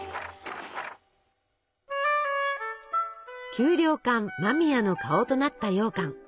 給糧艦間宮の顔となったようかん。